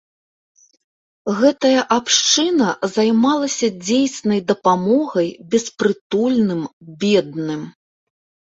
Гэтая абшчына займалася дзейснай дапамогай беспрытульным, бедным.